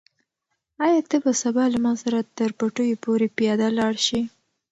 آیا ته به سبا له ما سره تر پټیو پورې پیاده لاړ شې؟